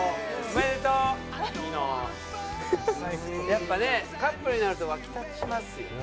やっぱねカップルになると沸き立ちますよね。